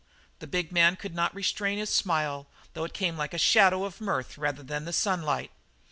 The big man could not restrain his smile, though it came like a shadow of mirth rather than the sunlight.